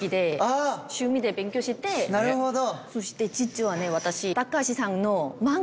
なるほど！